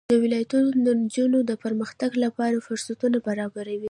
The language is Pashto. دا ولایتونه د نجونو د پرمختګ لپاره فرصتونه برابروي.